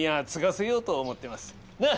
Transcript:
なあ？